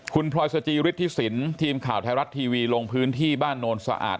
คุณพลอยสจิฤทธิสินทีมข่าวไทยรัฐทีวีลงพื้นที่บ้านโนนสะอาด